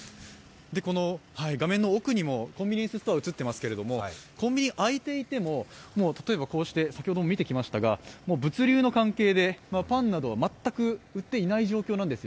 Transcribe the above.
この画面の奥にもコンビニエンスストアが映っていますけれどもコンビニ、開いていても、先ほど、見てきましたが、物流の関係で、パンなどは全く売っていない状況なんです。